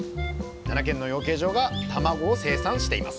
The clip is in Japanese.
７軒の養鶏場がたまごを生産しています